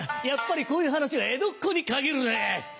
やっぱりこういう話は江戸っ子に限るね。